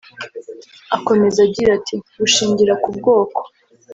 Akomeza agira ati “gushingira ku bwoko